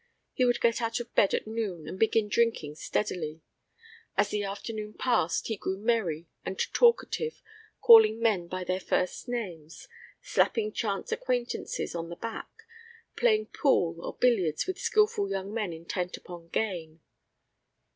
He would get out of bed at noon and begin drinking steadily. As the afternoon passed he grew merry and talkative, calling men by their first names, slapping chance acquaintances on the back, playing pool or billiards with skilful young men intent upon gain.